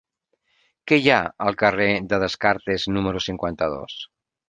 Què hi ha al carrer de Descartes número cinquanta-dos?